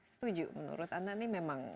setuju menurut anda ini memang